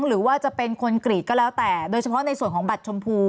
หรือว่าจะเป็นคนกรีดก็แล้วแต่โดยเฉพาะในส่วนของบัตรชมพู